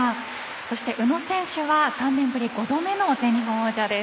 そして、宇野選手は３年ぶり５度目の全日本王者です。